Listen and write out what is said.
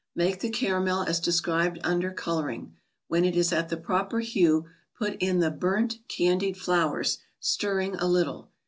Make the caramel as described under " Coloring." When it is at the proper hue put in the " burnt " candied flowers, stirring a little.